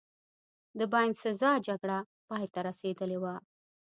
د باینسزا جګړه پایته رسېدلې وه.